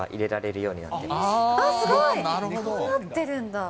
こうなってるんだ。